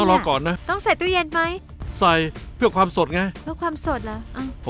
รอก่อนนะต้องใส่ตู้เย็นไหมใส่เพื่อความสดไงเพื่อความสดเหรออ้าว